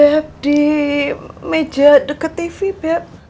jadi ada di meja deketivib